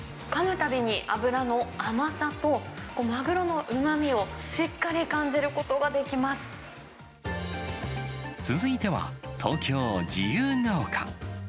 たびに脂の甘さと、マグロのうまみをしっかり感じることがで続いては、東京・自由が丘。